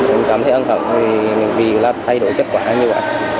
em cảm thấy ân hận vì làm thay đổi kết quả như vậy